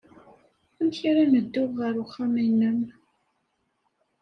Amek ara n-dduɣ ɣer uxxam-nnem?